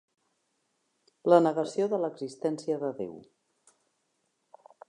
La negació de l'existència de Déu.